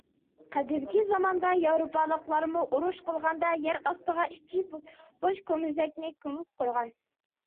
قەدىمكى زاماندا ياۋروپالىقلارمۇ ئۇرۇش قىلغاندا يەر ئاستىغا ئىچى بوش كومزەكنى كۆمۈپ قويغان.